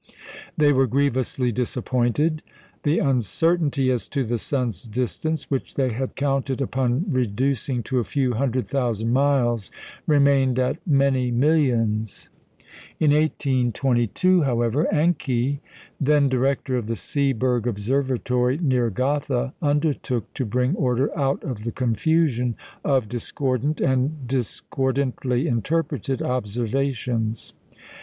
They were grievously disappointed. The uncertainty as to the sun's distance, which they had counted upon reducing to a few hundred thousand miles, remained at many millions. In 1822, however, Encke, then director of the Seeberg Observatory near Gotha, undertook to bring order out of the confusion of discordant, and discordantly interpreted observations.